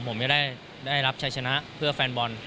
ผมจะได้รับชัยชนะเพื่อแฟนบอล